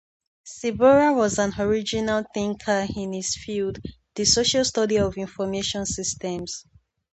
Ciborra was an original thinker in his field: the Social Study of Information Systems.